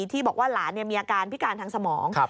ที่บอกว่าหลานมีอาการพิการทางสมอง